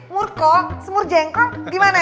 murko semur jengkol gimana